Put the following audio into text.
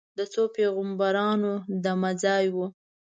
د څو پیغمبرانو دمه ځای و.